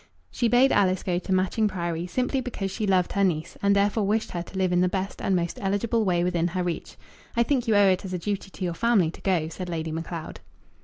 She bade Alice go to Matching Priory, simply because she loved her niece, and therefore wished her to live in the best and most eligible way within her reach. "I think you owe it as a duty to your family to go," said Lady Macleod.